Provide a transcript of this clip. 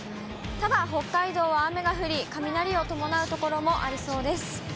ただ北海道は、雨が降り、雷を伴う所もありそうです。